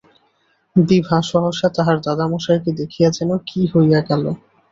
বিভা সহসা তাহার দাদামহাশয়কে দেখিয়া যেন কী হইয়া গেল।